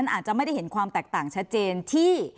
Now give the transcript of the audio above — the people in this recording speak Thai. อาจจะไม่ได้เห็นความแตกต่างชัดเจนที่